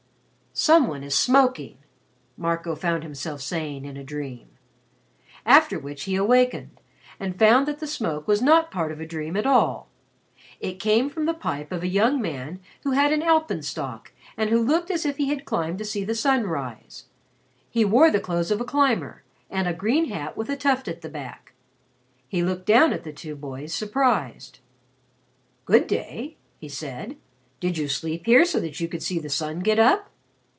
"Some one is smoking," Marco found himself saying in a dream. After which he awakened and found that the smoke was not part of a dream at all. It came from the pipe of a young man who had an alpenstock and who looked as if he had climbed to see the sun rise. He wore the clothes of a climber and a green hat with a tuft at the back. He looked down at the two boys, surprised. "Good day," he said. "Did you sleep here so that you could see the sun get up?"